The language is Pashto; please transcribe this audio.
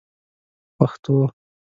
پښتو